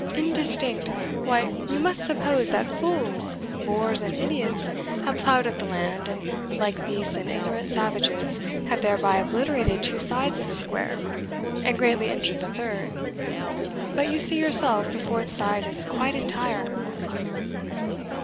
Indistinct! why, you must suppose that fools, boors, and idiots, have ploughed up the land, and, like beasts and ignorant savages, have thereby obliterated two sides of the square, and greatly injured the third; but you see, yourself, the fourth side is quite entire!"